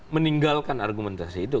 meninggalkan argumentasi itu